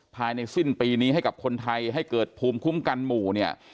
ภายในสิ้นปีนี้ให้กับคนไทยให้เกิดภูมิคุ้มกันหมู่เนี่ย